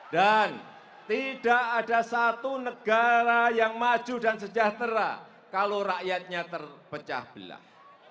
dan tidak ada satu negara yang maju dan sejahtera kalau rakyatnya terpecah belah